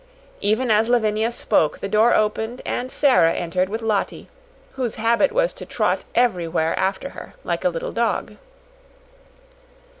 Even as Lavinia spoke the door opened and Sara entered with Lottie, whose habit was to trot everywhere after her like a little dog.